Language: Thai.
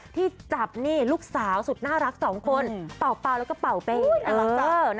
ที่จับนี่ลูกสาวสุดน่ารักสองคนเป่าแล้วก็เป่าเป้